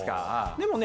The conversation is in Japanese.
でもね